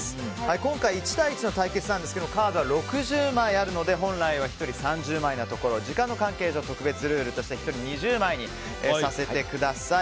今回、１対１の対決なんですがカードは６０枚あるので本来は１人３０枚のところ時間の関係上特別ルールとして１人２０枚にさせてください。